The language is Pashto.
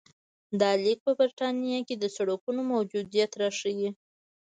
دا لیک په برېټانیا کې د سړکونو موجودیت راښيي